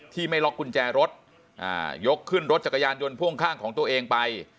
ไม่ล็อกกุญแจรถยกขึ้นรถจักรยานยนต์พ่วงข้างของตัวเองไป